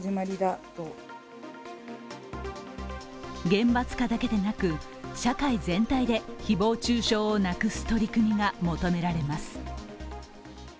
厳罰化だけでなく社会全体で誹謗中傷をなくす取り組みが求められます。